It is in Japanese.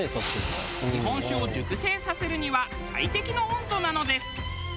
日本酒を熟成させるには最適の温度なのです。